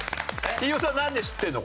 飯尾さんなんで知ってんの？